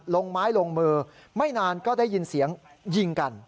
ลงไม้ลงมือไม่นานก็ได้ยินเสียงยิงกัน